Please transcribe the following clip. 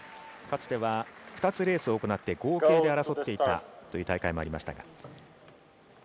かつては、２つレースを行って合計で争っていたという大会もありました。